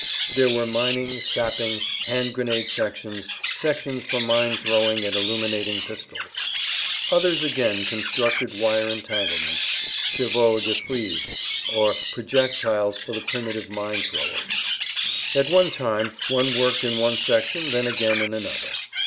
There were mining, sapping, hand grenade sections, sections for mine throwing and illuminating pistols. Others again constructed wire entanglements, chevaux de frise, or projectiles for the primitive mine throwers. At one time one worked in one section then again in another.